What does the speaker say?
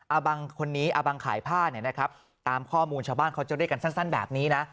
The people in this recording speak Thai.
บังคนนี้อาบังขายผ้าเนี่ยนะครับตามข้อมูลชาวบ้านเขาจะเรียกกันสั้นแบบนี้นะ